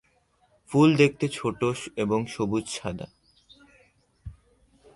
ফুল দেখতে ছোট এবং সবুজ-সাদা।